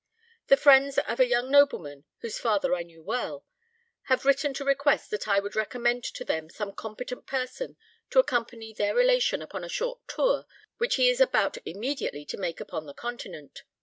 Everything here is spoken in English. The friends of a young nobleman, whose father I knew well, have written to request that I would recommend to them some competent person to accompany their relation upon a short tour which he is about immediately to make upon the continent.